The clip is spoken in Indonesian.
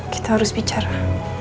kita harus bicara